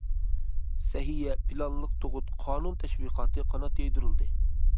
سەھىيە، پىلانلىق تۇغۇت، قانۇن تەشۋىقاتى قانات يايدۇرۇلدى.